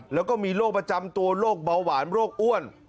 แล้วก็มีโรคประจำตัวโรคเบาหวานโรคอ้วน